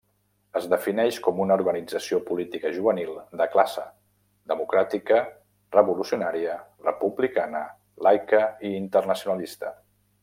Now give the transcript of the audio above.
Es defineix com una organització política juvenil de classe, democràtica, revolucionària, republicana, laica i internacionalista.